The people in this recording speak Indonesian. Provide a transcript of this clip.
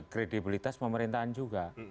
kredibilitas pemerintahan juga